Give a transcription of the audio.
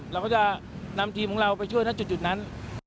เราก็จะนำทีมของเราไปช่วยนะจุดนั้น